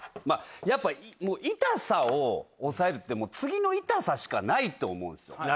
やっぱ痛さを抑えるって次の痛さしかないと思うんですよ。